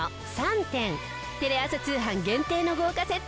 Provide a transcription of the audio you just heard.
テレ朝通販限定の豪華セットです。